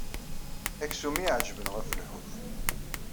Aksum i y-iɛeǧben ɣef lḥut.